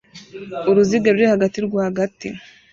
Uruziga ruri hagati rwagati